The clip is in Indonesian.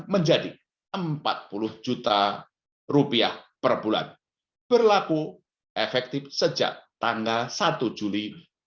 menjadi empat puluh juta rupiah per bulan berlaku efektif sejak tanggal satu juli dua ribu dua puluh